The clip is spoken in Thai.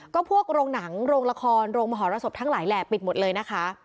ก็พวกโรงหนังโรงละครโรงมหรสบทั้งหลายแหละปิดหมดเลยนะคะ